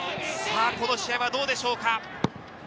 この試合はどうでしょうか？